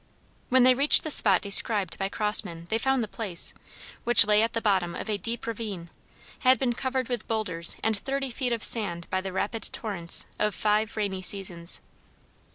When they reached the spot described by Crossman they found the place, which lay at the bottom of a deep ravine, had been covered with boulders and thirty feet of sand by the rapid torrents of five rainy seasons.